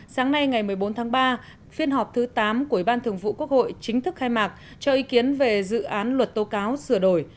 sáng nay ngày một mươi bốn tháng ba phiên họp thứ tám của ủy ban thường vụ quốc hội chính thức khai mạc cho ý kiến về dự án luật tố cáo sửa đổi